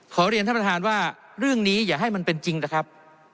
ขอเรียนท่านประธานว่าเรื่องนี้อย่าให้มันเป็นจริงนะครับ